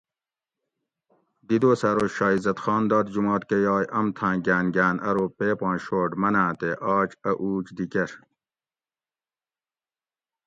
دی دوسہ ارو شاہ عزت خان داد جمات کہ یائے امتھاۤں گاۤن گاۤن ارو پیپاں شوٹ مناۤں تے آج ا اُوج دی کۤر